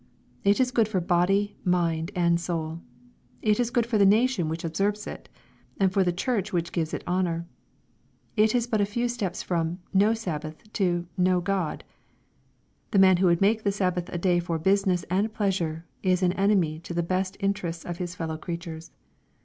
It is good for body, mind and soul. It is good for the nation which observes it, and for the church which gives it honor. It is but a few steps from " no Sabbath" to " no God." The man who would make the Sabbath a day for business and pleasure, is an enemy to the best interests of his fellow creatures.